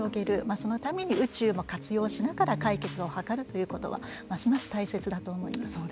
そのために宇宙も活用しながら解決を図るということはますます大切だと思います。